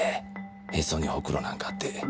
へそにホクロなんかあって。